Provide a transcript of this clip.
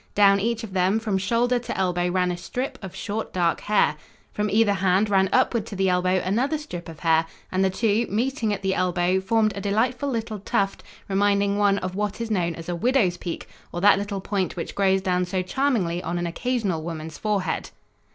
Down each of them from shoulder to elbow ran a strip of short dark hair. From either hand ran upward to the elbow another strip of hair, and the two, meeting at the elbow, formed a delightful little tuft reminding one of what is known as a "widow's peak," or that little point which grows down so charmingly on an occasional woman's forehead.